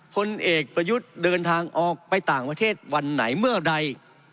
พลเอกประยุทธ์เดินทางออกไปต่างประเทศวันไหนเมื่อใด